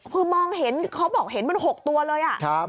คือมองเห็นเขาบอกเห็นเป็น๖ตัวเลย